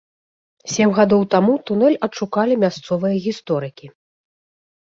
Сем гадоў таму тунэль адшукалі мясцовыя гісторыкі.